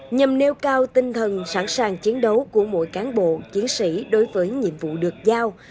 nhằm nêu cao tinh thần sẵn sàng chiến đấu của mỗi cán bộ chiến sĩ đối với nhiệm vụ được giao